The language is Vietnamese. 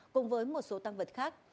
cùng với một số tăng vật khác